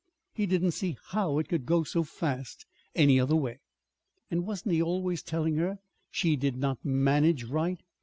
He didn't see how it could go so fast any other way! And wasn't he always telling her she did not manage right?